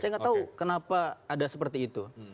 saya nggak tahu kenapa ada seperti itu